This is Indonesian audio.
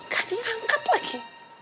gak diangkat lagi